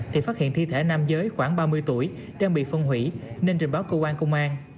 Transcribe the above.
thì phát hiện thi thể nam giới khoảng ba mươi tuổi đang bị phân hủy nên trình báo cơ quan công an